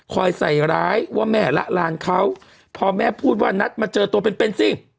ใส่ร้ายว่าแม่ละลานเขาพอแม่พูดว่านัดมาเจอตัวเป็นเป็นสิ